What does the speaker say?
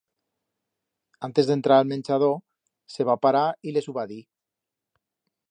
Antes d'entrar a'l menchador, se va parar y les hu va dir.